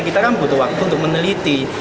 kita kan butuh waktu untuk meneliti